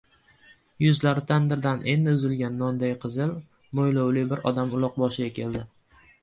Yuzlari tandirdan endi uzilgan nonday qizil, mo‘ylovli bir odam uloq boshiga keldi.